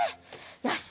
よし！